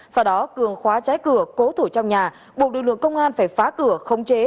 sau đó cường khóa trái cửa cố thủ trong nhà buộc lực lượng công an phải phá cửa không chế